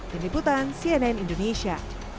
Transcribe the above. peniputan cnn indonesia